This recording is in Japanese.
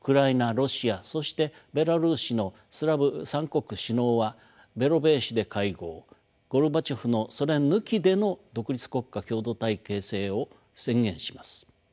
ロシアそしてベラルーシのスラブ三国首脳はベロベーシで会合ゴルバチョフのソ連抜きでの独立国家共同体形成を宣言します。